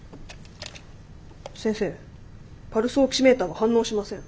先生パルスオキシメーターが反応しません。